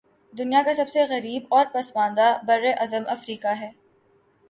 دنیا کا سب سے غریب اور پسماندہ براعظم افریقہ ہے